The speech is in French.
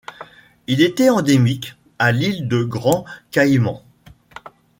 Il était endémique à l'île de Grand Cayman.